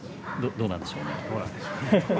どうなんでしょう？